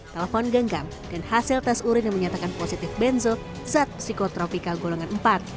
telepon genggam dan hasil tes urin yang menyatakan positif benzo zat psikotropika golongan empat